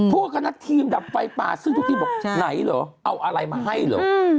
พวกคณะทีมดับไฟป่าซึ่งทุกทีมบอกไหนเหรอเอาอะไรมาให้เหรอ